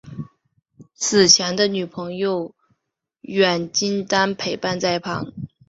死前的女朋友苑琼丹陪伴在旁。